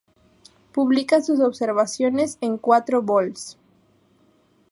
Publica sus observaciones en cuatro vols.